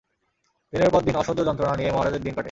দিনের পর দিন অসহ্য যন্ত্রণা নিয়েই মহারাজের দিন কাটে।